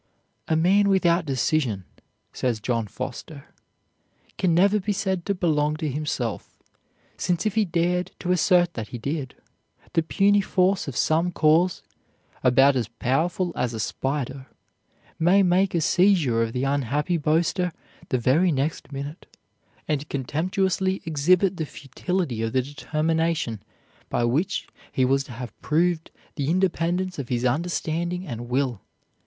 "A man without decision," says John Foster, "can never be said to belong to himself; since if he dared to assert that he did, the puny force of some cause, about as powerful as a spider, may make a seizure of the unhappy boaster the very next minute, and contemptuously exhibit the futility of the determination by which he was to have proved the independence of his understanding and will.